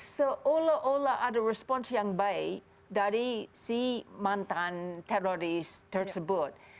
seolah olah ada respons yang baik dari si mantan teroris tersebut